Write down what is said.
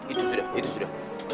itu sudah itu sudah